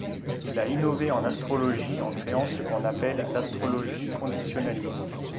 Il a innové en astrologie en créant ce qu'on appelle l'astrologie conditionaliste.